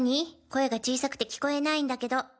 声が小さくて聞こえないんだけど。